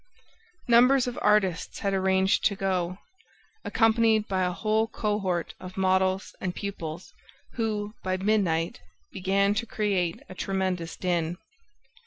Numbers of artists had arranged to go, accompanied by a whole cohort of models and pupils, who, by midnight, began to create a tremendous din.